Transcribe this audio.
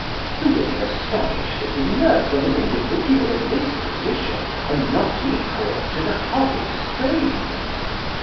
Who will be astonished if the nerves of an individual in this position are not equal to the horrid strain?